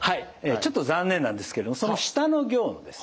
ちょっと残念なんですけどもその下の行のですね